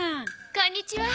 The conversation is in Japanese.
こんにちは。